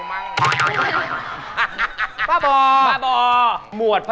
ไม่กินเป็นร้อย